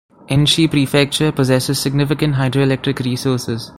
Enshi Prefecture possesses significant hydroelectric resources.